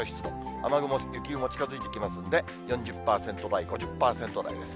雨雲、雪雲近づいてきますんで、４０％台、５０％台です。